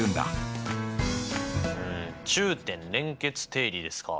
うん中点連結定理ですか。